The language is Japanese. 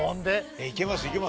いけます？